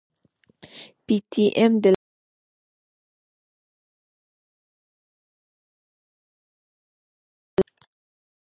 پي ټي ايم د لر او بر ترمنځ يووالي راوست.